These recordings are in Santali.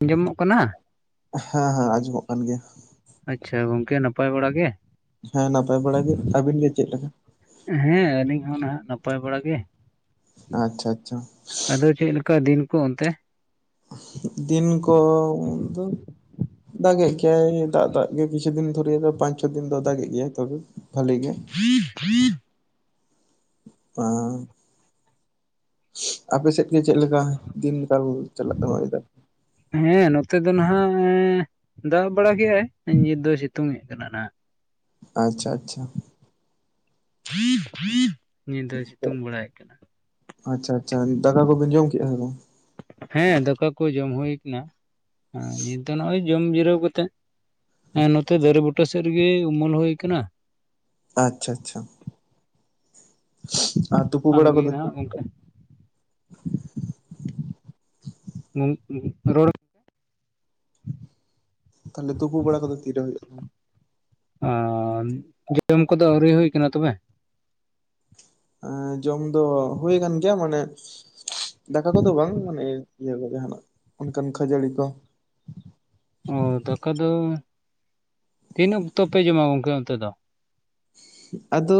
ᱟᱸᱡᱚᱢᱚᱜ ᱠᱟᱱᱟ ᱦᱮᱸ ᱦᱮᱸ ᱟᱸᱡᱚᱢᱚᱜ ᱠᱟᱱ ᱜᱮᱭᱟ ᱟᱪᱪᱷᱟ ᱜᱚᱢᱠᱮ ᱱᱟᱯᱟᱭ ᱵᱟᱲᱟ ᱜᱮ ᱦᱮᱸ ᱱᱟᱯᱟᱭ ᱵᱟᱲᱟ ᱜᱮ ᱟᱹᱵᱤᱱ ᱜᱮ ᱪᱮᱫ ᱞᱮᱠᱟ ᱦᱮᱸ ᱟᱹᱞᱤᱧ ᱦᱚᱸ ᱱᱟᱦᱟᱜ ᱱᱟᱯᱟᱭ ᱵᱟᱲᱟ ᱜᱮ ᱟᱪᱪᱷᱟ ᱟᱪᱪᱷᱟ ᱟᱫᱚ ᱪᱮᱫ ᱞᱮᱠᱟ ᱫᱤᱱ ᱠᱚ ᱚᱱᱛᱮ ᱫᱤᱱ ᱠᱚ ᱫᱟᱜᱮᱫ ᱜᱮᱭᱟᱭ ᱫᱟᱜ ᱫᱟᱜ ᱜᱮ ᱠᱤᱪᱷᱩ ᱫᱤᱱ ᱫᱷᱚᱨᱮ ᱫᱚ ᱯᱟᱸᱪ ᱪᱷᱚᱫᱤᱱ ᱫᱚ ᱫᱟᱜᱮᱜ ᱜᱮᱭᱟᱭ ᱛᱚᱵᱮ ᱵᱷᱟᱞᱤ ᱜᱮ [inaudible] ᱵᱟᱝ ᱟᱯᱮᱥᱮᱫ ᱜᱮ ᱪᱮᱫᱮᱠᱟ ᱫᱤᱱ ᱱᱮᱛᱟᱨ ᱪᱟᱞᱟᱜ ᱠᱟᱱᱟ ᱦᱮᱸ ᱱᱚᱛᱮ ᱫᱚ ᱱᱟᱦᱟᱜ ᱫᱟᱜᱽ ᱵᱟᱲᱟ ᱜᱮᱼᱟᱭ ᱱᱤᱛ ᱫᱚ ᱥᱤᱛᱩᱝ ᱛᱩᱫ ᱠᱟᱱᱟᱦᱟᱜ ᱟᱪᱪᱷᱟ ᱟᱪᱪᱷᱟ ᱱᱤᱛ ᱫᱚ ᱥᱤᱛᱩᱝ ᱵᱟᱲᱟᱭᱮᱫ ᱠᱟᱱᱟ ᱟᱪᱪᱷᱟ ᱟᱪᱪᱷᱟ ᱫᱟᱠᱟ ᱠᱚᱵᱮᱱ ᱡᱚᱢ ᱠᱮᱫᱼᱟ ᱥᱮ ᱵᱟᱝ ᱦᱮᱸ ᱫᱟᱠᱟ ᱠᱚ ᱡᱚᱢ ᱦᱩᱭ ᱠᱟᱱᱟ ᱱᱤᱛ ᱫᱚ ᱱᱚᱜᱼᱚᱭ ᱡᱚᱢ ᱡᱤᱨᱟᱹᱣ ᱠᱟᱛᱮᱜ ᱦᱮᱸ ᱱᱚᱛᱮ ᱫᱟᱨᱮ ᱵᱩᱴᱟᱹ ᱥᱮᱫ ᱨᱮᱜᱤ ᱩᱢᱩᱞ ᱦᱩᱭ ᱟᱠᱟᱱᱟ ᱟᱪᱪᱷᱟ ᱟᱪᱪᱷᱟ ᱟᱨ ᱛᱩᱯᱩ ᱵᱟᱲᱟ ᱟᱢᱜᱮ ᱠᱚᱫᱚ ᱱᱟᱦᱟᱜ ᱜᱚᱝᱠᱮ [unintelligible] ᱛᱟᱦᱚᱞᱮ ᱛᱩᱯᱩ ᱵᱟᱲᱟ ᱠᱚᱫᱚ ᱛᱤᱨᱮ ᱦᱩᱭᱩᱜ ᱛᱟᱢᱟ ᱟᱨ ᱡᱚᱢ ᱠᱚᱫᱚ ᱟᱹᱣᱨᱤ ᱦᱩᱭ ᱟᱠᱟᱱᱟ ᱛᱚᱵᱮ ᱮ ᱡᱚᱢ ᱫᱚ ᱦᱩᱭ ᱟᱠᱟᱱ ᱜᱮᱭᱟ ᱢᱟᱱᱮ ᱫᱟᱠᱟ ᱠᱚᱫᱚ ᱵᱟᱝ ᱢᱟᱱᱮ ᱤᱭᱟᱹ ᱠᱚᱨᱮᱱᱟᱜ ᱚᱱᱠᱟᱱ ᱠᱷᱟᱹᱡᱟᱹᱲᱤ ᱠᱚ ᱚ ᱫᱟᱠᱟ ᱫᱚ ᱛᱤᱱᱟᱹᱜ ᱚᱠᱛᱚ ᱯᱮ ᱡᱚᱢᱟ ᱜᱚᱢᱠᱮ ᱚᱱᱛᱮ ᱫᱚ ᱟᱫᱚ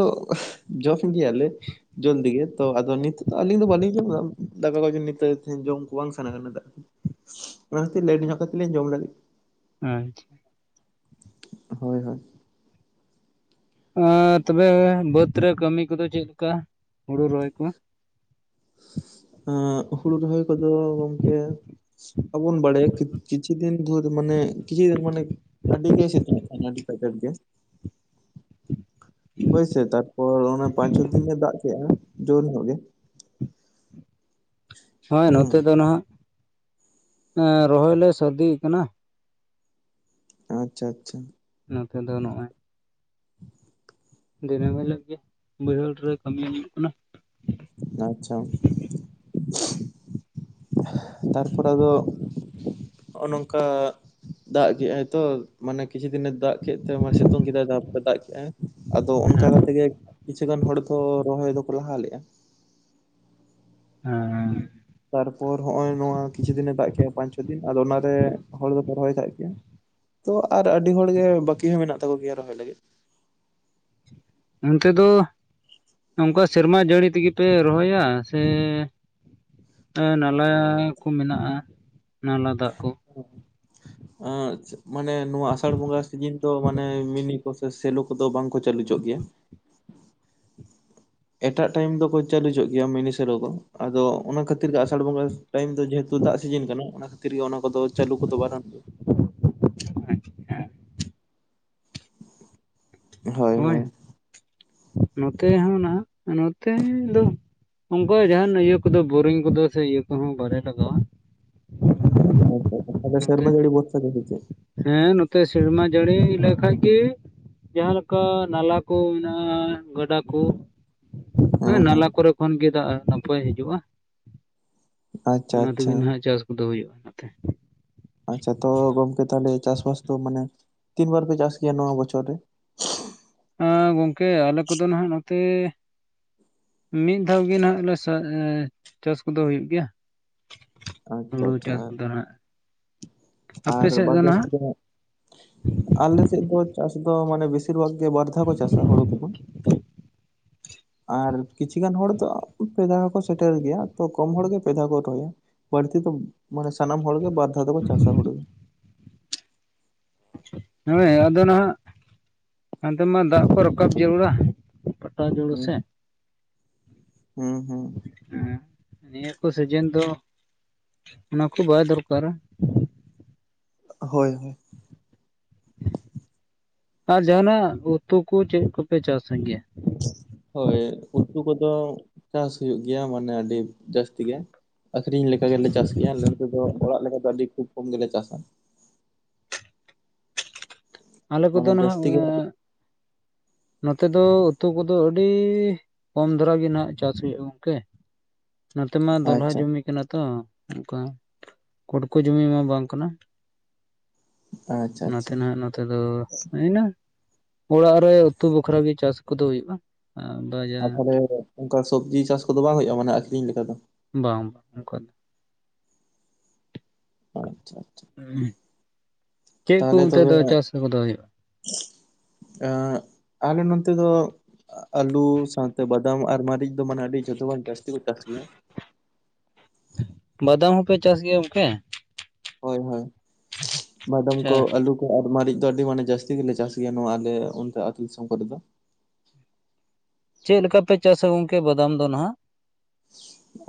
ᱡᱚᱢ ᱜᱮᱭᱟᱞᱮ ᱡᱚᱞᱫᱤ ᱜᱮ ᱛᱚ ᱟᱫᱚ ᱱᱤᱛᱳᱜ ᱫᱚ ᱟᱹᱞᱤᱧ ᱫᱚ ᱵᱟᱹᱞᱤᱧ ᱡᱚᱢ ᱮᱫᱟ ᱫᱟᱠᱟ ᱠᱚᱫᱚ ᱱᱤᱛ ᱡᱚᱢ ᱠᱚ ᱵᱟᱝ ᱥᱟᱱᱟ ᱠᱟᱱᱟ ᱚᱱᱟ ᱠᱷᱟᱹᱛᱤᱨ ᱞᱮᱴ ᱧᱚᱸᱜ ᱠᱟᱛᱮ ᱞᱤᱧ ᱡᱚᱢ ᱞᱟᱹᱜᱤᱫ ᱟᱪᱪᱷᱟ ᱦᱳᱭ ᱦᱳᱭ ᱟᱨ ᱛᱚᱵᱮ ᱵᱟᱹᱫᱽ ᱨᱮ ᱠᱟᱹᱢᱤ ᱠᱚᱫᱚ ᱪᱮᱫᱮ ᱞᱮᱠᱟ ᱦᱩᱲᱩ ᱨᱚᱦᱚᱭ ᱠᱚ ᱦᱩᱲᱩ ᱨᱚᱦᱚᱭ ᱠᱚᱫᱚ ᱜᱚᱝᱠᱮ ᱟᱵᱚᱱ ᱵᱟᱲᱟᱭᱟ ᱠᱤᱪᱷᱩ ᱫᱤᱱ ᱫᱷᱚᱨᱮ ᱢᱟᱱᱮ ᱠᱤᱪᱷᱩ ᱫᱤᱱ ᱢᱟᱱᱮ ᱟᱹᱰᱤ ᱜᱮᱭ ᱥᱤᱛᱩᱝ ᱮᱫ ᱛᱟᱦᱮᱱᱟ ᱟᱹᱰᱤ ᱠᱟᱡᱟᱠ ᱜᱮ ᱦᱮᱸ [unintelligible] ᱦᱳᱭᱥᱮ ᱛᱟᱨᱯᱚᱨ ᱚᱱ ᱯᱟᱸᱪ ᱪᱷᱚ ᱫᱤᱱ ᱮ ᱫᱟᱜ ᱠᱮᱜᱼᱟ ᱡᱳᱨ ᱧᱚᱜ ᱜᱮ ᱦᱮᱸ ᱦᱩᱸ ᱱᱚᱛᱮ ᱫᱚ ᱱᱟᱸᱦᱜ ᱨᱚᱦᱚᱭ ᱞᱮ ᱥᱟᱨᱫᱤ ᱟᱠᱟᱱᱟ ᱟᱪᱪᱷᱟ ᱟᱪᱪᱷᱟ ᱱᱚᱛᱮ ᱫᱚ ᱱᱚᱸᱜᱼᱚᱭ ᱫᱤᱱᱟᱹᱢ ᱦᱤᱞᱳᱜ ᱜᱮ ᱵᱟᱹᱭᱦᱟᱹᱲ ᱨᱮ ᱠᱟᱹᱢᱤ ᱦᱩᱭᱩᱜ ᱠᱟᱱᱟ ᱟᱪᱪᱷᱟ ᱛᱟᱨᱯᱚᱨ ᱟᱫᱚ ᱦᱚᱸᱜᱼᱚ ᱱᱚᱝᱠᱟ ᱫᱟᱜ ᱠᱮᱜᱟᱭ ᱛᱚ ᱢᱟᱱᱮ ᱠᱤᱪᱷᱩ ᱫᱤᱱᱮ ᱫᱟᱜ ᱠᱮᱫ ᱛᱮ ᱥᱤᱛᱩᱝ ᱠᱮᱫᱟᱭ ᱛᱟᱯᱚᱨ ᱫᱟᱜ ᱠᱮᱜᱟᱭ ᱟᱫᱚ ᱚᱱᱠᱟ ᱠᱟᱛᱮ ᱜᱮ ᱠᱤᱪᱷᱩ ᱜᱟᱱ ᱦᱚᱲ ᱫᱚ ᱨᱚᱦᱚᱭ ᱫᱚᱠᱚ ᱞᱟᱦᱟ ᱞᱮᱜᱼᱟ ᱦᱮᱸ ᱛᱟᱨᱯᱚᱨ ᱦᱸᱚᱼᱚᱭ ᱱᱚᱣᱟ ᱠᱤᱪᱷᱩ ᱫᱤᱱᱮ ᱫᱟᱜ ᱠᱮᱫᱮᱜ ᱟᱭ ᱯᱟᱸᱪ ᱪᱷᱚ ᱫᱤᱱ ᱟᱫᱚ ᱚᱱᱟᱨᱮ ᱦᱚᱲ ᱫᱚ ᱯᱮ ᱨᱚᱦᱚᱭ ᱠᱟᱜ ᱠᱮᱭᱟ ᱛᱚ ᱟᱨ ᱟᱹᱰᱤ ᱦᱚᱲ ᱜᱮ ᱵᱟᱹᱠᱤ ᱦᱚᱸ ᱢᱮᱱᱟᱜ ᱛᱟᱠᱚ ᱜᱮᱭᱟ ᱨᱚᱦᱚᱭ ᱞᱟᱹᱜᱤᱫ ᱚᱱᱛᱮ ᱫᱚ ᱱᱚᱝᱠᱟ ᱥᱮᱨᱢᱟ ᱡᱟᱹᱲᱤ ᱛᱮᱜᱮ ᱯᱮ ᱨᱚᱦᱚᱭᱟ ᱥᱮ ᱱᱟᱞᱟ ᱠᱚ ᱢᱮᱱᱟᱜᱼᱟ ᱱᱟᱞᱟ ᱫᱟᱜ ᱠᱚ ᱟᱨ ᱢᱟᱱᱮ ᱱᱚᱣᱟ ᱟᱥᱟᱲ ᱵᱚᱸᱜᱟ ᱥᱤᱡᱤᱱ ᱛᱚ ᱢᱟᱱᱮ ᱢᱤᱱᱤ ᱠᱚ ᱥᱮᱞᱳ ᱠᱚᱫᱚ ᱵᱟᱝᱠᱚ ᱪᱟᱹᱞᱩ ᱦᱚᱪᱚᱜ ᱜᱮᱭᱟ ᱮᱴᱟᱜ ᱴᱟᱭᱤᱢ ᱫᱚᱠᱚ ᱪᱟᱹᱞᱩᱪᱚᱜ ᱜᱮᱭᱟ ᱢᱤᱱᱤ ᱥᱮᱞᱳ ᱠᱚ ᱟᱫᱚ ᱚᱱᱟ ᱠᱷᱟᱹᱛᱤᱨ ᱜᱮ ᱟᱥᱟᱲ ᱵᱚᱸᱜᱟ ᱴᱟᱭᱤᱢ ᱫᱚ ᱡᱮᱦᱮᱛᱩ ᱫᱟᱜ ᱥᱤᱡᱤᱱ ᱠᱟᱱᱟ ᱚᱱᱟ ᱠᱷᱟᱹᱛᱤᱨ ᱜᱮ ᱚᱱᱟ ᱠᱚᱫᱚ ᱪᱟᱹᱞᱩ ᱠᱚᱫᱚ ᱵᱟᱨᱚᱱ ᱜᱮᱭᱟ ᱟ ᱦᱮᱸ [unintelligible] ᱦᱳᱭ ᱱᱚᱛᱮ ᱦᱚᱸ ᱱᱚᱸᱜᱼᱚᱭ ᱱᱚᱛᱮ ᱚᱱᱠᱟ ᱡᱟᱦᱟᱱ ᱤᱭᱟᱹ ᱠᱚᱫᱚ ᱵᱳᱨᱤᱝ ᱠᱚᱫᱚ ᱥᱮ ᱤᱭᱟᱹ ᱠᱚᱦᱚᱸ ᱵᱟᱞᱮ ᱞᱟᱜᱟᱣᱟ ᱟᱪᱪᱷᱟ ᱟᱪᱪᱷᱟ ᱛᱟᱞᱦᱮ ᱱᱚᱛᱮ ᱥᱮᱨᱢᱟ ᱦᱚᱸ ᱡᱟᱹᱲᱤ ᱞᱟᱹᱭ ᱛᱮᱜᱮ ᱥᱮᱪᱮᱫ ᱦᱮᱸ ᱱᱚᱛᱮ ᱥᱮᱨᱢᱟ ᱡᱟᱹᱲᱤ ᱞᱮᱠᱷᱟᱡ ᱜᱮ ᱡᱟᱦᱟᱸ ᱚᱱᱠᱟ ᱱᱟᱞᱟ ᱠᱚ ᱢᱮᱱᱟᱜᱼᱟ ᱜᱟᱰᱟ ᱠᱚ ᱦᱮᱸ ᱦᱮᱸ ᱱᱟᱞᱟ ᱠᱚᱨᱮ ᱠᱷᱚᱱ ᱜᱮ ᱫᱟᱜ ᱱᱚᱛᱮ ᱦᱤᱡᱩᱜᱼᱟ ᱟᱪᱪᱷᱟ ᱚᱱᱟ ᱛᱮᱜᱮ ᱟᱪᱪᱷᱟ ᱱᱟᱦᱜᱽ ᱪᱟᱥ ᱠᱚᱫᱚ ᱦᱩᱭᱩᱜᱼᱟ ᱚᱱᱟᱛᱮ ᱟᱪᱪᱷᱟ ᱛᱚ ᱜᱚᱝᱠᱮ ᱛᱟᱦᱚᱞᱮ ᱪᱟᱥ ᱵᱟᱥ ᱫᱚ ᱢᱟᱱᱮ ᱛᱤᱱ ᱵᱟᱨ ᱯᱮ ᱪᱟᱥ ᱜᱮᱭᱟ ᱱᱚᱣᱟ ᱵᱚᱪᱷᱚᱨ ᱨᱮ ᱦᱮᱸ ᱜᱚᱝᱠᱮ ᱟᱞᱮ ᱠᱚᱫᱚ ᱱᱟᱦᱜᱽ ᱱᱚᱛᱮ ᱢᱤᱫ ᱫᱷᱟᱣ ᱜᱮ ᱱᱟᱦᱜᱽ ᱪᱟᱥ ᱠᱚᱫᱚ ᱦᱩᱭᱩᱜ ᱜᱮᱭᱟ ᱟᱪᱪᱷᱟ ᱦᱩᱲᱩ ᱟᱪᱪᱷᱟ ᱪᱟᱥ ᱠᱚᱫᱚ ᱱᱟᱦᱜᱽ ᱟᱯᱮ ᱟᱨ ᱥᱮᱫ ᱵᱟᱫ ᱫᱚ ᱱᱟᱦᱜᱽ ᱵᱟᱹᱠᱤ ᱟᱞᱮ ᱥᱮᱫ ᱫᱚ ᱪᱟᱥ ᱫᱚ ᱢᱟᱱᱮ ᱵᱮᱥᱤᱨ ᱵᱷᱟᱜᱽ ᱵᱟᱨᱫᱷᱟᱣ ᱠᱚ ᱪᱟᱥᱟ ᱦᱩᱲᱩ ᱠᱚᱫᱚ ᱟᱨ ᱠᱤᱪᱷᱤᱩ ᱜᱟᱱ ᱦᱚᱲ ᱫᱚ ᱯᱮ ᱫᱷᱟᱣ ᱦᱚᱸ ᱠᱚ ᱥᱮᱴᱮᱨ ᱜᱮᱭᱟ ᱛᱚ ᱠᱚᱢ ᱦᱚᱲ ᱜᱮ ᱯᱮ ᱫᱷᱟᱣ ᱠᱚ ᱨᱚᱦᱚᱭᱟ ᱵᱟᱹᱲᱛᱤ ᱫᱚ ᱢᱟᱱᱮ ᱥᱟᱱᱟᱢ ᱦᱚᱲ ᱜᱮ ᱵᱟᱨ ᱫᱷᱟᱣ ᱫᱚᱠᱚ ᱪᱟᱥᱟ ᱦᱩᱲᱩ ᱦᱮᱸ ᱟᱫᱚ ᱱᱟᱦᱜᱽ ᱦᱟᱱᱛᱮ ᱢᱟ ᱫᱟᱜ ᱠᱚ ᱨᱟᱠᱟᱵ ᱡᱟᱹᱨᱩᱲᱟ ᱯᱟᱴᱟ ᱡᱩᱲᱩ ᱥᱮ ᱦᱩᱸ ᱦᱩᱸ ᱦᱩᱸ ᱦᱩᱸ ᱦᱮᱸ ᱱᱤᱭᱟᱹ ᱠᱚ ᱥᱤᱡᱮᱱ ᱫᱚ ᱚᱱᱟ ᱠᱚ ᱵᱟᱭ ᱫᱚᱨᱠᱟᱨᱟ ᱦᱳᱭ ᱦᱳᱭ ᱟᱨ ᱡᱟᱦᱟᱸᱱᱼᱟᱜ ᱩᱛᱩ ᱠᱚ ᱪᱮᱫ ᱠᱚᱯᱮ ᱪᱟᱥᱟ ᱜᱮᱭᱟ ᱦᱳᱭ ᱩᱛᱩ ᱠᱚᱫᱚ ᱪᱟᱥ ᱦᱩᱭᱩᱜ ᱜᱮᱭᱟ ᱢᱟᱱᱮ ᱟᱹᱰᱤ ᱡᱟᱹᱥᱛᱤ ᱜᱮ ᱟᱠᱷᱨᱤᱧ ᱞᱮᱠᱟ ᱜᱮᱞᱮ ᱪᱟᱥ ᱜᱮᱭᱟ ᱟᱞᱮ ᱱᱚᱛᱮ ᱫᱚ ᱚᱲᱟᱜ ᱞᱮᱠᱟ ᱫᱚ ᱟᱹᱰᱤ ᱠᱷᱩᱵ ᱠᱚᱢ ᱜᱮᱞᱮ ᱪᱟᱥᱟ ᱟᱞᱮ ᱠᱚᱫᱚ ᱢᱟᱱᱮ ᱱᱟᱦᱟᱜ ᱡᱟᱹᱥᱛᱤ ᱜᱮ ᱱᱚᱛᱮ ᱫᱚ ᱩᱛᱩ ᱠᱚᱫᱚ ᱟᱹᱰᱤ ᱠᱚᱢ ᱫᱷᱟᱨᱟ ᱜᱮ ᱱᱟᱜ ᱪᱟᱥ ᱦᱩᱭᱩᱜᱼᱟ ᱜᱚᱝᱠᱮ ᱱᱚᱛᱮ ᱢᱟ ᱫᱚᱞᱦᱟ ᱟᱪᱪᱷᱟ ᱡᱩᱢᱤ [unintelligible] ᱛᱚ ᱚᱱᱠᱟ ᱠᱚᱴᱠᱤ ᱡᱚᱢᱤ ᱢᱟ ᱵᱟᱝ ᱠᱟᱱᱟ ᱟᱪᱪᱷᱟ ᱚᱱᱟᱛᱮ ᱟᱪᱪᱷᱟ ᱱᱟᱜ ᱱᱚᱛ ᱫᱚ [unintelligible] ᱚᱲᱟᱜ ᱨᱮ ᱩᱛᱩ ᱵᱟᱠᱷᱟᱨ ᱜᱮ ᱪᱟᱥ ᱠᱚᱫᱚ ᱦᱩᱭᱩᱜᱼᱟ [unintelligible] ᱟᱨ ᱛᱟᱦᱚᱞᱮ ᱚᱱᱠᱟ ᱥᱚᱵᱽᱡᱤ ᱪᱟᱥ ᱠᱚᱫᱚ ᱵᱟᱝ ᱦᱩᱭᱩᱜᱼᱟ ᱢᱟᱱᱮ ᱟᱠᱷᱨᱤᱧ ᱞᱮᱠᱟ ᱫᱚ ᱵᱟᱝ ᱵᱟᱝ ᱚᱱᱠᱟ ᱫᱚ ᱟᱪᱪᱷᱟ ᱟᱪᱪᱷᱟ [unintelligible] ᱛᱟᱦᱚᱞᱮ ᱚᱱᱛᱮ ᱛᱚᱵᱮ ᱫᱚ ᱪᱟᱥ ᱠᱚᱫᱚ [inaudible] ᱟᱞᱮ ᱱᱚᱛᱮ ᱫᱚ ᱟᱞᱩ ᱥᱟᱶᱛᱮ ᱵᱟᱫᱟᱢ ᱟᱨ ᱢᱟᱨᱹᱤᱪ ᱫᱚ ᱢᱟᱱᱮ ᱟᱹᱰᱤ ᱡᱷᱚᱛᱚ ᱠᱷᱚᱱ ᱡᱟᱹᱥᱛᱤ ᱠᱚ ᱪᱟᱥ ᱜᱮᱭᱟ ᱵᱟᱫᱟᱢ ᱦᱚᱸᱯᱮ ᱪᱟᱥ ᱜᱮᱭᱟ ᱜᱚᱝᱠᱮ ᱦᱳᱭ ᱦᱳᱭ ᱵᱟᱫᱟᱢ ᱠᱚ ᱟᱪᱪᱷᱟ ᱟᱞᱩ ᱟᱨ ᱢᱟᱹᱨᱤᱡ ᱫᱚ ᱟᱹᱰᱤ ᱢᱟᱱᱮ ᱡᱟᱹᱥᱛᱤ ᱜᱮᱞᱮ ᱪᱟᱥ ᱜᱮᱭᱟ ᱱᱚᱣᱟ ᱟᱞᱮ ᱚᱱᱛᱮ ᱟᱹᱛᱩ ᱫᱤᱥᱚᱢ ᱠᱚᱨᱮ ᱫᱚ ᱪᱮᱫ ᱞᱮᱠᱟ ᱯᱮ ᱪᱟᱥᱟ ᱜᱚᱝᱠᱮ ᱵᱟᱫᱟᱢ ᱫᱚ ᱱᱟᱦᱟᱜ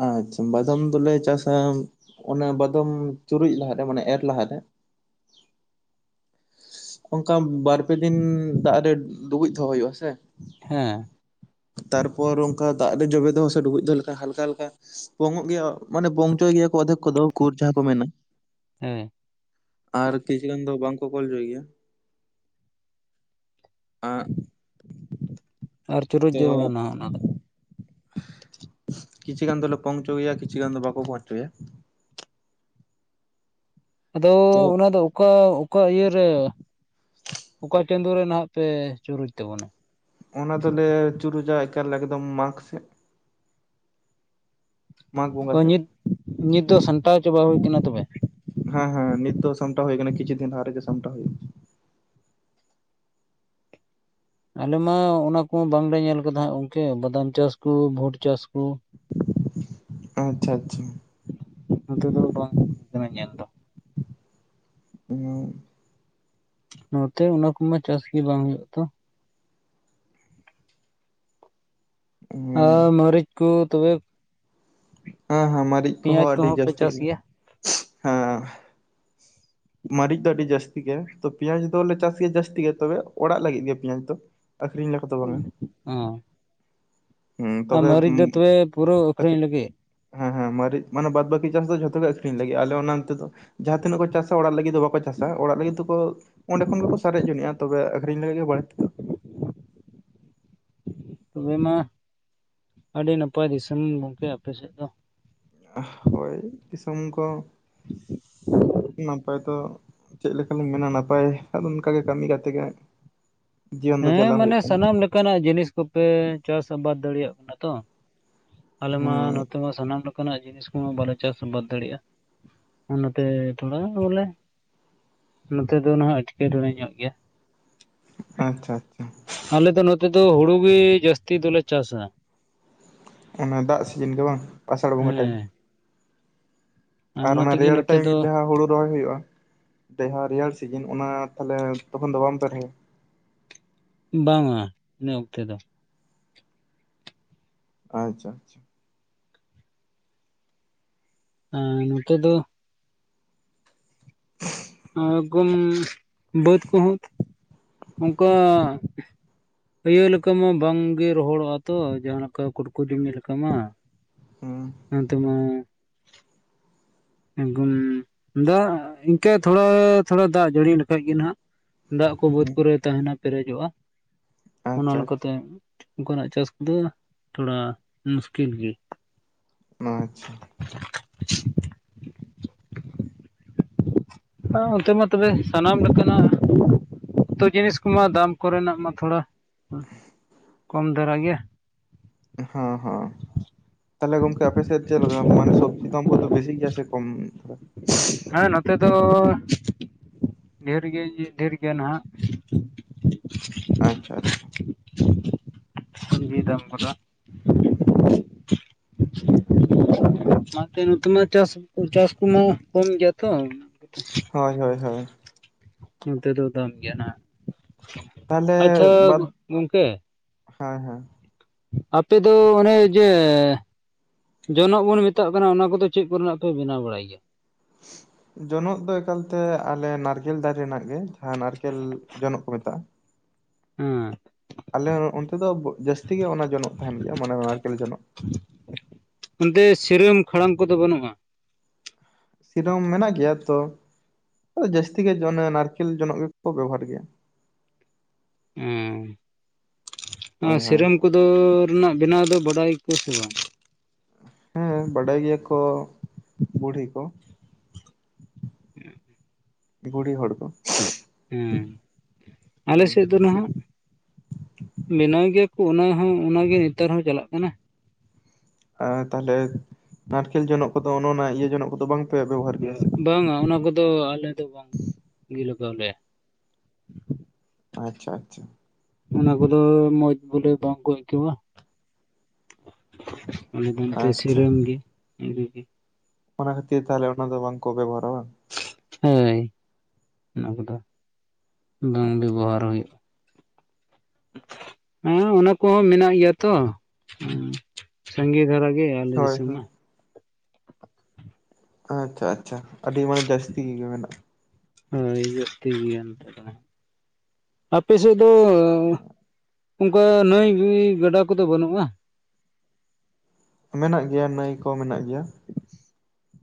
ᱟᱪᱪᱷᱟ ᱵᱟᱫᱟᱢ ᱫᱚᱞᱮ ᱪᱟᱥ-ᱟ ᱚᱱᱮ ᱵᱟᱫᱚᱢ ᱪᱩᱨᱩᱡ ᱞᱟᱦᱟᱨᱮ ᱢᱟᱱᱮ ᱮᱨ ᱞᱟᱦᱟᱨᱮ ᱚᱱᱠᱟ ᱵᱟᱨᱯᱮ ᱫᱤᱱ ᱫᱟᱜ ᱨᱮ ᱰᱩᱵᱩᱡ ᱫᱚᱦᱚ ᱦᱩᱭᱩᱜ ᱟ ᱥᱮ ᱦᱮᱸ ᱛᱟᱨᱯᱚᱨ ᱚᱱᱠᱟ ᱫᱟᱜ ᱨᱮ ᱡᱚᱵᱮ ᱫᱚᱦᱚ ᱥᱮ ᱰᱩᱵᱩᱡ ᱫᱚᱦᱚ ᱞᱮᱠᱷᱟᱱ ᱦᱟᱞᱠᱟ ᱦᱟᱞᱠᱟ [unintelligible] ᱜᱮᱭᱟ ᱢᱟᱱᱮ ᱯᱚᱝᱪᱚᱭ ᱜᱮᱭᱟ ᱠᱚ ᱚᱫᱷᱮᱠ ᱠᱚᱫᱚ [unintelligible] ᱡᱟᱦᱟᱸ ᱠᱚ ᱢᱮᱱᱟ ᱦᱮᱸ ᱟᱨ ᱠᱤᱪᱷᱩ ᱜᱟᱱ ᱫᱚ ᱵᱟᱝ ᱠᱚ [unintelligible] ᱦᱚᱪᱚᱭ ᱜᱮᱭᱟ ᱟᱸᱜ ᱟᱨ ᱪᱩᱨᱩᱡ ᱛᱚ ᱡᱟᱹᱨᱩᱲᱟ ᱱᱟᱦᱟᱜ ᱚᱱᱟ ᱫᱚ ᱠᱤᱪᱷᱤ ᱜᱟᱱ ᱫᱚᱞᱮ ᱯᱚᱦᱪᱚᱣ ᱜᱮᱭᱟ ᱠᱤᱪᱷᱤ ᱜᱟᱱ ᱫᱚ ᱵᱟᱠᱚ ᱯᱚᱦᱪᱚᱣᱭᱟ ᱟᱫᱚ ᱛᱚ ᱚᱱᱟ ᱫᱚ ᱚᱠᱟ ᱚᱠᱟ ᱤᱭᱟᱹᱨᱮ ᱚᱠᱟ ᱪᱟᱸᱫᱳ ᱨᱮ ᱱᱟᱦᱟᱜ ᱯᱮ ᱪᱩᱨᱩᱡ ᱛᱟᱵᱚᱱᱟ ᱚᱱᱟ ᱫᱚᱞᱮ ᱪᱩᱨᱩᱡᱟ ᱮᱠᱟᱞᱮ ᱮᱠᱫᱚᱢ ᱢᱟᱜᱽ ᱥᱮᱫ ᱢᱟᱜ [unintelligible] ᱦᱳ ᱱᱤᱛ ᱱᱤᱛ ᱫᱚ ᱥᱟᱢᱴᱟᱣ ᱪᱟᱵᱟ ᱦᱩᱭ ᱟᱠᱟᱱᱟ ᱛᱚᱵᱮ ᱦᱮᱸ ᱦᱮᱸ ᱱᱤᱛ ᱫᱚ ᱥᱟᱢᱴᱟ ᱦᱩᱭ ᱠᱟᱱᱟ ᱠᱤᱪᱩ ᱫᱤᱱ [unintelligible] ᱥᱟᱢᱟ ᱦᱩᱭ ᱟᱞᱮ ᱢᱟ ᱚᱱᱟ ᱠᱚ ᱵᱟᱝᱞᱮ ᱧᱮᱞ ᱟᱠᱟᱫᱟ ᱦᱟ ᱜᱚᱝᱠᱮ ᱵᱟᱫᱟᱢ ᱪᱟᱥᱠᱩ ᱵᱷᱩᱴ ᱪᱟᱥ ᱠᱩ [inaudible] ᱟᱪᱪᱷᱟ ᱟᱪᱪᱷᱟ ᱱᱚᱛᱮ ᱫᱚ ᱵᱟᱝ [unintelligible] ᱧᱮᱞ ᱫᱚ [unintelligible] ᱱᱚᱛᱮ ᱚᱱᱟ ᱠᱚᱢᱟ ᱪᱟᱥᱜᱤ ᱵᱟᱝ ᱦᱳᱭᱳᱜᱼᱟ ᱛᱚ ᱦᱮᱸ ᱟᱨ ᱢᱟᱹᱨᱤᱪ ᱠᱚ ᱛᱚᱵᱮ ᱦᱮᱸ ᱦᱮᱸ ᱢᱟᱹᱨᱤᱪ ᱯᱮᱸᱭᱟᱡᱽ ᱠᱚᱦᱚᱸ ᱟᱹᱰᱤ ᱯᱮ ᱡᱟᱹᱥᱛᱤ ᱪᱟᱥ [unintelligible] ᱜᱮᱭᱟ ᱦᱮᱸ ᱢᱟᱹᱨᱤᱪ ᱫᱚ ᱟᱹᱰᱤ ᱡᱟᱹᱥᱛᱤ ᱜᱮ ᱛᱚ ᱯᱮᱸᱭᱟᱡᱽ ᱫᱚᱞᱮ ᱪᱟᱥ ᱜᱮᱭᱟ ᱡᱟᱹᱥᱛᱤ ᱜᱮ ᱛᱚᱵᱮ ᱚᱲᱟᱜ ᱞᱟᱹᱜᱤᱫ ᱜᱮ ᱯᱮᱸᱭᱟᱡᱽ ᱫᱚ ᱟᱠᱠᱷᱨᱤᱧ ᱞᱮᱠᱟ ᱫᱚ ᱵᱟᱝ ᱟ ᱚᱸ ᱦᱩᱸ ᱟᱨ ᱛᱚᱵᱮ ᱢᱟᱹᱨᱤᱪ ᱫᱚ ᱛᱚᱵᱮ ᱯᱩᱨᱟᱹ ᱟᱹᱠᱷᱨᱤᱧ [inaudible] ᱞᱟᱹᱜᱤᱫ ᱦᱮᱸ ᱦᱮᱸ ᱢᱟᱨᱤ ᱢᱟᱱᱮ ᱵᱟᱫ ᱵᱟᱹᱠᱤ ᱪᱟᱥ ᱫᱚ ᱡᱷᱚᱛᱚ ᱜᱮ ᱟᱠᱷᱨᱤᱧ ᱞᱟᱹᱜᱤᱫ ᱟᱞᱮ ᱚᱱᱟ ᱱᱛᱮ ᱫᱚ ᱡᱟᱦᱟᱸ ᱛᱤᱱᱟᱹᱜ ᱠᱚ ᱪᱟᱥ ᱪ ᱚᱲᱟᱜ ᱞᱟᱹᱜᱤᱫ ᱫᱚ ᱵᱟᱠᱚ ᱪᱟᱥᱟ ᱚᱲᱟᱜ [unintelligible] ᱚᱲᱟᱜ ᱞᱟᱹᱜᱤᱫ ᱫᱚ ᱵᱟᱠᱚ ᱪᱟᱥ-ᱟ ᱚᱲᱟᱜ ᱞᱟᱹᱜᱤᱫ ᱫᱚᱠᱚ ᱚᱸᱰᱮ ᱠᱷᱚᱱ ᱜᱮᱠᱚ ᱥᱟᱨᱮᱡ ᱡᱚᱱᱜᱼᱟ ᱛᱚᱵᱮ ᱟᱠᱷᱨᱤᱧ ᱞᱟᱹᱜᱤᱫ ᱜᱮ ᱵᱟᱹᱲ ᱛᱮᱫᱚ ᱛᱚᱵᱮ ᱢᱟ ᱟᱹᱰᱤ ᱱᱟᱯᱟᱭ ᱫᱤᱥᱚᱢ ᱜᱚᱝᱠᱮ ᱟᱯᱮ ᱥᱮᱫ ᱫᱚ ᱦᱳᱭ ᱫᱤᱥᱚᱢ ᱠᱚ ᱱᱟᱯᱟᱭ ᱛᱚ ᱪᱮᱫ ᱞᱮᱠᱟᱞᱤᱧ ᱢᱮᱱᱟ ᱱᱟᱯᱟᱭ ᱟᱫᱚ ᱚᱱᱠᱟᱜᱮ ᱠᱟᱹᱢᱤ ᱠᱟᱛᱮ ᱜᱮ ᱡᱤᱭᱚᱱ ᱫᱚ ᱦᱮᱸ ᱪᱟᱞᱟᱣ ᱦᱩᱭᱩᱜ ᱢᱟᱱᱮ ᱠᱟᱱᱟ ᱥᱟᱱᱟᱢ ᱞᱮᱠᱟᱱᱟᱜ ᱡᱤᱱᱤᱥ ᱠᱚᱯᱮ ᱪᱟᱥ ᱟᱵᱟᱫ ᱫᱟᱲᱮᱭᱟᱜ ᱠᱟᱱᱟ ᱛᱚ ᱟᱞᱮ ᱢᱟ ᱦᱮᱸ ᱛᱚ ᱥᱟᱱᱟᱢ ᱞᱮᱠᱟᱱᱟᱜ ᱡᱤᱱᱤᱥ ᱠᱚᱦᱚᱸ ᱵᱟᱞᱮ ᱪᱟᱥ ᱟᱵᱟᱫ ᱫᱟᱲᱮᱭᱟᱜᱼᱟ᱾ ᱱᱚᱛᱮ ᱛᱷᱚᱲᱟ ᱵᱚᱞᱮ ᱱᱚᱛᱮ ᱫᱚ ᱱᱟᱜ ᱮᱴᱠᱮᱴᱚᱬᱮ ᱧᱚᱜ ᱜᱮᱭᱟ᱾ ᱟᱪᱪᱷᱟ ᱟᱪᱪᱷᱟ ᱟᱞᱮ ᱫᱚ ᱱᱚᱛᱮ ᱫᱚ ᱦᱩᱲᱩ ᱜᱮ ᱡᱟᱹᱥᱛᱤ ᱫᱚᱞᱮ ᱪᱟᱥᱟ᱾ ᱚᱱᱟ ᱫᱟᱜ ᱥᱤᱡᱤᱱ ᱜᱮ ᱵᱟᱝ ᱟᱥᱟᱲ ᱵᱚᱸᱜᱟ ᱴᱟᱭᱤᱢ᱾ ᱦᱮᱸ ᱟᱨ ᱚᱱᱟ ᱛᱮᱜᱮ ᱨᱮᱭᱟᱲ ᱱᱚᱛᱮ ᱴᱟᱭᱤᱢ ᱫᱚ ᱡᱟᱦᱟᱸ ᱦᱳᱲᱳ ᱨᱚᱦᱚᱭ ᱦᱳᱭᱳᱜᱼᱟ᱾ ᱰᱮᱦᱟ ᱨᱮᱭᱟᱲ ᱥᱤᱡᱤᱱ ᱚᱱᱟ ᱛᱟᱦᱮᱸ ᱛᱚᱠᱷᱚᱱ ᱫᱚ ᱵᱟᱝᱯᱮ ᱨᱚᱦᱚᱭᱟ? ᱵᱟᱝᱟ ᱤᱱᱟᱹ ᱚᱠᱛᱮ ᱫᱚ᱾ ᱟᱪᱪᱷᱟ ᱟᱪᱪᱷᱟ ᱱᱚᱛᱮ ᱫᱚ ᱜᱚᱢ ᱵᱟᱹᱫᱽ ᱠᱩᱦᱚᱸ ᱚᱱᱠᱟ ᱤᱭᱟᱹ ᱞᱮᱠᱟ ᱢᱟ ᱵᱟᱝᱜᱮ ᱨᱚᱦᱚᱲᱚᱜ ᱟ ᱛᱚ ᱡᱟᱦᱟᱸ ᱞᱮᱠᱟ ᱠᱩᱴᱠᱩ ᱡᱚᱢᱤ ᱞᱮᱠᱟ ᱢᱟ, ᱦᱩᱸ ᱱᱚᱛᱮ ᱢᱟ ᱫᱟᱜ ᱤᱱᱠᱟᱹ ᱛᱷᱚᱲᱟ ᱛᱷᱚᱲᱟ ᱫᱟᱜ ᱡᱟᱹᱲᱤ ᱞᱮᱠᱟᱡ ᱜᱮ ᱱᱟᱜ, ᱫᱟᱜ ᱠᱚ ᱵᱟᱹᱫᱽ ᱦᱩᱸ ᱠᱚᱨᱮ ᱛᱟᱦᱮᱱᱟ ᱯᱮᱨᱮᱡᱚᱜᱼᱟ ᱟᱪᱪᱷᱟ ᱚᱱᱟ ᱟᱪᱪᱷᱟ ᱞᱮᱠᱟᱛᱮ, ᱚᱝᱠᱟ ᱱᱟᱜ ᱪᱟᱥ ᱠᱚᱫᱚ ᱛᱷᱚᱲᱟ ᱢᱩᱥᱠᱤᱞ ᱜᱤ, ᱟᱪᱪᱷᱟ [inaudible] ᱚᱱᱛᱮ ᱢᱟ ᱛᱚᱵᱮ ᱥᱟᱱᱟᱢ ᱞᱮᱠᱟᱱᱟᱜ, ᱛᱚ ᱡᱤᱱᱤᱥ ᱠᱚᱢᱟ ᱫᱟᱢ ᱠᱚᱨᱮᱱᱟᱜ ᱢᱟ ᱛᱷᱚᱲᱟ ᱠᱚᱢ ᱫᱷᱟᱨᱟ ᱜᱮᱭᱟ᱾ ᱦᱮᱸ ᱦᱮᱸ ᱛᱟᱦᱞᱮ ᱜᱚᱢᱠᱮ ᱟᱯᱮᱥ ᱪᱮᱫ ᱪᱮᱫᱞᱮᱠᱟ ᱢᱟᱱᱮ ᱥᱚᱵᱡᱤ ᱫᱟᱢ ᱠᱚᱫᱚ ᱵᱮᱥᱤ ᱜᱮᱭᱟ ᱥᱮ ᱠᱚᱢ ᱫᱷᱟᱨᱟ? ᱦᱮᱸ ᱱᱚᱛᱮ ᱫᱚ ᱰᱷᱮᱨ ᱜᱮ ᱰᱷᱮᱨ ᱜᱮᱭᱟ ᱱᱟᱦᱟᱜ᱾ ᱟᱪᱪᱷᱟ ᱟᱪᱪᱷᱟ ᱥᱚᱵᱽᱡᱤ ᱫᱟᱢ ᱠᱚᱫᱚ ᱱᱚᱛᱮ ᱢᱟ ᱪᱟᱥ ᱪᱟᱥ ᱠᱚᱢᱟ ᱠᱚᱢ ᱜᱮᱭᱟ ᱛᱚ᱾ ᱦᱳᱭ ᱦᱳᱭ ᱦᱳᱭ ᱱᱚᱱᱚᱛ ᱫᱚ ᱫᱟᱢ ᱜᱮᱭᱟ ᱱᱟᱜ, ᱛᱟᱦᱚᱞᱮ ᱟᱪᱪᱷᱟ ᱵᱟᱫ ᱜᱚᱢᱠᱮ ᱦᱮᱸ ᱦᱮᱸ ᱟᱯᱮᱫ ᱫᱚ ᱚᱱᱮ ᱡᱮ ᱡᱚᱱᱚᱜ ᱵᱚᱱ ᱢᱮᱛᱟᱜ ᱠᱟᱱᱟ ᱚᱱᱟ ᱠᱚᱫᱚ ᱪᱮᱫ ᱠᱚᱨᱮᱱᱟᱜ ᱯᱮ ᱵᱮᱱᱟᱣ ᱵᱟᱲᱟᱭ ᱜᱮᱭᱟ? [inaudible] ᱡᱚᱱᱚᱜ ᱫᱚ ᱮᱠᱟᱞᱛᱮ ᱟᱞᱮ ᱱᱟᱨᱠᱮᱞ ᱫᱟᱨᱮ ᱨᱮᱱᱟᱜ ᱜᱮ ᱡᱟᱦᱟᱸ ᱱᱟᱨᱠᱮᱞ ᱡᱚᱱᱚᱜ ᱠᱚ ᱢᱮᱛᱟᱜᱼᱟ᱾ ᱟᱸᱻ ᱟᱞᱮ ᱚᱱᱛᱮ ᱫᱚ ᱡᱟᱹᱥᱛᱤ ᱜᱮ ᱚᱱᱟ ᱡᱚᱱᱚᱜ ᱛᱟᱦᱮᱱ ᱜᱮᱭᱟ ᱢᱟᱱᱮ ᱱᱟᱨᱠᱮᱞ ᱡᱚᱱᱚᱜ᱾ ᱚᱱᱛᱮ ᱥᱤᱨᱟᱹᱢ ᱠᱷᱟᱲᱟᱢ ᱠᱚᱫᱚ ᱵᱟᱹᱱᱩᱜᱼᱟ? ᱥᱤᱨᱚᱢ ᱢᱮᱱᱟᱜ ᱜᱮᱭᱟ ᱛᱚ, ᱡᱟᱹᱥᱛᱤ ᱜᱮ ᱚᱱᱮ ᱱᱟᱨᱠᱮᱞ ᱡᱚᱱᱚᱜ ᱜᱮᱠᱚ ᱵᱮᱵᱚᱦᱟᱨ ᱜᱮᱭᱟ᱾ ᱟᱸ ᱦᱳᱭ ᱦᱳᱭ ᱥᱤᱨᱟᱹᱢ ᱠᱚᱫᱚ ᱨᱮᱱᱟᱜ ᱵᱮᱱᱟᱣ ᱫᱚ ᱵᱟᱰᱟᱭ ᱟᱠᱚ ᱥᱮ ᱵᱟᱝ? ᱦᱮᱸ ᱵᱟᱰᱟᱭ ᱜᱮᱭᱟ ᱠᱚ ᱵᱩᱲᱦᱤ ᱠᱚ, [inaudible] ᱵᱩᱲᱦᱤ ᱦᱚᱲ ᱠᱚ, ᱦᱩᱸ ᱟᱞᱮ ᱦᱩᱸ ᱥᱮᱫ ᱦᱩᱸ ᱫᱚ ᱱᱟᱦᱟᱜ ᱵᱮᱱᱟᱣ ᱜᱮᱭᱟ ᱠᱚ ᱚᱱᱟ ᱦᱚᱸ ᱚᱱᱟᱜᱮ ᱱᱮᱛᱟᱨ ᱦᱚᱸ ᱪᱟᱞᱟᱜ ᱠᱟᱱᱟ᱾ ᱟᱨ ᱛᱟᱦᱞᱮ ᱱᱟᱨᱠᱮᱞ ᱡᱚᱱᱚᱜ ᱠᱚᱫᱚ ᱚᱱᱮ ᱚᱱᱟ ᱤᱭᱟᱹ ᱡᱚᱱᱚᱜ ᱠᱚᱫᱚ ᱵᱟᱝᱯᱮ ᱵᱮᱵᱚᱦᱟᱨ ᱜᱮᱭᱟ ᱥᱮ? ᱵᱟᱝᱼᱟ ᱚᱱᱟ ᱠᱚᱫᱚ ᱟᱞᱮ ᱫᱚ ᱵᱟᱝ ᱜᱮ ᱞᱟᱜᱟᱣ ᱞᱮᱭᱟ᱾ ᱟᱪᱪᱷᱟ ᱟᱪᱪᱷᱟ ᱚᱱᱟ ᱠᱚᱫᱚ ᱢᱚᱸᱡ ᱵᱚᱞᱮ ᱵᱟᱝᱠᱚ ᱟᱹᱭᱠᱟᱹᱣᱟ᱾ ᱟᱞᱮ ᱫᱚ ᱮᱚᱱᱛᱮ ᱟᱪᱪᱷᱟ ᱥᱤᱨᱟᱹᱢ ᱜᱮ [unintelligible] ᱜᱮ᱾ ᱚᱱᱟ ᱠᱷᱟᱹᱛᱤᱨ ᱛᱟᱦᱚᱞᱮ ᱚᱱᱟ ᱫᱚ ᱵᱟᱝᱠᱚ ᱵᱮᱵᱚᱦᱟᱨᱟ ᱵᱟᱝ? ᱦᱳᱭ ᱚᱱᱟ ᱠᱚᱫᱚ ᱵᱟᱝ ᱵᱮᱵᱚᱦᱟᱨ ᱦᱩᱭᱩᱜ-ᱟ ᱦᱮᱸ ᱚᱱᱟ ᱠᱚᱦᱚᱸ ᱢᱮᱱᱟᱜ ᱜᱮᱭᱟ ᱛᱚ ᱥᱟᱸᱜᱮ ᱫᱷᱟᱨᱟ ᱜᱮ ᱜᱮ ᱟᱞᱮ ᱦᱳᱭ ᱫᱤᱥᱚᱢ ᱱᱟ ᱦᱳᱭ ᱟᱪᱪᱷᱟ ᱟᱪᱪᱷᱟ ᱟᱹᱰᱤ ᱢᱟᱱᱮ ᱡᱟᱹᱥᱛᱤ ᱜᱮ ᱢᱮᱱᱟᱜ-ᱟ ᱦᱳᱭ ᱡᱟᱹᱥᱛᱤ ᱜᱮᱭᱟ ᱱᱮᱛᱚᱜ ᱫᱚ ᱟᱯᱮ ᱥᱮᱫ ᱫᱚ ᱚᱝᱠᱟ ᱱᱟᱹᱭ ᱜᱟᱰᱟ ᱠᱚᱫᱚ ᱵᱟᱹᱱᱩᱜ-ᱟ ᱢᱮᱱᱟᱜ ᱜᱮᱭᱟ ᱱᱟᱹᱭ ᱠᱚ ᱢᱮᱱᱟᱜ ᱜᱮᱭᱟ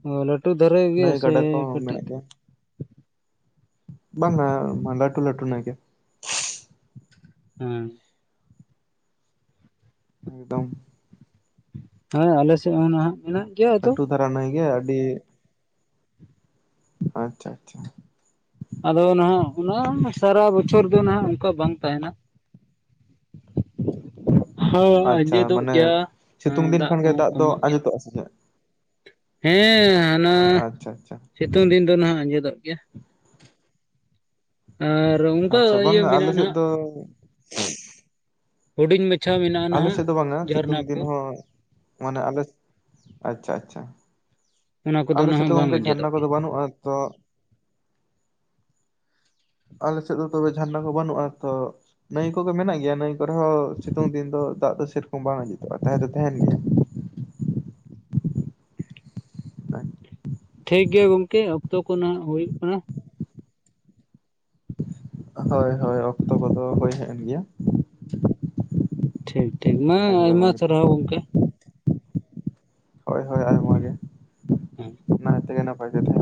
ᱚ ᱞᱟᱹᱴᱩ ᱫᱷᱟᱨᱮ ᱜᱮ ᱱᱟᱹᱭ ᱥᱮ ᱜᱟᱰᱟ ᱠᱚ ᱠᱟᱹᱴᱤᱡ ᱢᱮᱱᱟᱜ ᱜᱮᱭᱟ ᱵᱟᱝᱟ ᱢᱟ ᱞᱟᱹᱴᱩ ᱞᱟᱹᱴᱩ ᱱᱟ ᱜᱮ ᱦᱩᱸ ᱮᱠᱫᱚᱢ ᱦᱚᱭ ᱟᱞᱮ ᱥᱮᱫ ᱦᱚᱸ ᱱᱟᱦᱟᱜ ᱢᱮᱱᱟᱜ ᱜᱮᱭᱟ ᱟᱫᱚ ᱞᱟᱠᱴᱩ ᱫᱷᱟᱨᱟ ᱱᱟᱹᱭ ᱜᱮ ᱟᱹᱰᱤ ᱟᱪᱪᱷᱟ ᱟᱪᱪᱷᱟ ᱟᱫᱚ ᱱᱟᱦᱟᱜ ᱚᱱᱟ ᱥᱟᱨᱟ ᱵᱚᱪᱷᱚᱨ ᱫᱚ ᱱᱟᱦᱟᱜ ᱚᱝᱠᱟ ᱵᱟᱝ ᱛᱟᱦᱮᱱᱟ ᱦᱳᱭ ᱟᱪᱪᱷᱟ ᱟᱸᱡᱮᱫᱚᱜ ᱢᱟᱱᱮ ᱥᱤᱛᱩᱝ ᱜᱮᱭᱟᱸ ᱫᱤᱱ ᱫᱟᱜ ᱠᱷᱟᱱ ᱜᱮ ᱠᱚᱦᱚᱸ ᱫᱚ ᱠᱚᱢᱚᱜ ᱜᱮᱭᱟ ᱟᱸᱡᱮᱫᱚᱜᱼᱟ ᱥᱮ ᱪᱮᱫ ᱦᱮᱸ ᱦᱟᱱᱟ ᱟᱪᱪᱷᱟ ᱟᱪᱪᱷᱟ ᱥᱤᱛᱩᱝ ᱫᱤᱱ ᱫᱚ ᱱᱟᱦᱟᱜ ᱟᱸᱡᱮᱫᱚᱜ ᱜᱮᱭᱟ ᱟᱨ ᱚᱱᱠᱟ ᱟᱪᱪᱷᱟ ᱤᱭᱟᱹ ᱵᱟᱝ-ᱟ ᱟᱞᱮ ᱢᱮᱱᱟᱜᱼᱟ ᱥᱮᱫ ᱱᱟᱦᱟᱜ ᱫᱚ ᱦᱩᱰᱤᱧ ᱢᱟᱪᱷᱟᱣ ᱢᱮᱱᱟᱜ ᱟᱞᱮᱥᱮᱫ ᱫᱚ ᱵᱟᱝᱟ ᱥᱤᱛᱩᱝ ᱫᱤᱱ ᱦᱚᱸ ᱢᱟᱱᱮ ᱟᱞᱮ ᱟᱪᱪᱷᱟ ᱟᱪᱪᱷᱟ ᱚᱱᱟ ᱠᱚᱫᱚ ᱟᱞᱮ ᱥᱮᱫ ᱱᱟᱦᱟᱜ ᱫᱚ ᱵᱟᱝ ᱚᱱᱠᱟ ᱡᱷᱟᱨᱱᱟ ᱟᱸᱡᱮᱫᱚᱜ ᱠᱚᱫᱚ ᱜᱮᱭᱟ ᱵᱟᱹᱱᱩᱜ-ᱟ ᱛᱚ ᱟᱞᱮᱥᱮᱫ ᱫᱚ ᱛᱚᱵᱮ ᱡᱷᱟᱨᱱᱟ ᱠᱚ ᱵᱟᱹᱱᱩᱜ-ᱟ ᱛᱚ ᱱᱟᱹᱭ ᱠᱚᱜᱮ ᱢᱮᱱᱟᱜ ᱜᱮᱭᱟ ᱱᱟᱹᱭ ᱨᱮᱦᱚ ᱥᱤᱛᱩᱝ ᱫᱤᱱ ᱫᱚ ᱫᱟᱜ ᱫᱚ ᱥᱮᱨᱚᱠᱚᱢ ᱵᱟᱝ ᱚᱡᱮᱫᱚᱜ-ᱟ ᱛᱟᱦᱮᱸ ᱫᱚ ᱛᱟᱦᱮᱱ ᱜᱮᱭᱟ ᱴᱷᱤᱠ ᱜᱮᱭᱟ ᱜᱚᱝᱠᱮ ᱚᱠᱛᱚ ᱠᱷᱚ ᱱᱟᱦᱟᱜ ᱦᱩᱭᱩᱜ ᱠᱟᱱᱟ ᱦᱳᱭ ᱦᱳᱭ ᱚᱠᱛᱚ ᱠᱚᱫᱚ ᱦᱳᱭ ᱦᱮᱡᱮᱱ ᱜᱮᱭᱟ ᱴᱷᱤᱠ ᱴᱷᱤᱠ ᱢᱟ ᱮᱠᱫᱚᱢ ᱟᱭᱢᱟ ᱮᱠᱫᱚᱢ ᱥᱟᱨᱦᱟᱣ ᱜᱚᱝᱠᱮ ᱦᱳᱭ ᱦᱳᱭ ᱟᱭᱢᱟ ᱜᱮ ᱦᱮᱸ ᱱᱟᱭᱛᱮᱜᱮ ᱱᱟᱯᱟᱭ ᱜᱮ ᱛᱟᱦᱮᱸ